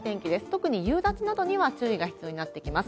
特に夕立などには注意が必要になってきます。